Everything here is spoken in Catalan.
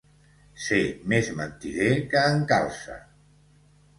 Ser més mentider que en Calça.